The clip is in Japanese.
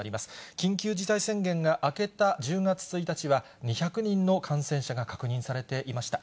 緊急事態宣言が明けた１０月１日は、２００人の感染者が確認されていました。